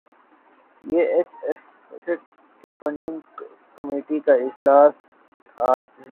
پی H F fact finding committee کا اجلاس اج طلب